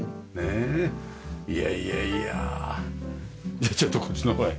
じゃあちょっとこっちの方へ。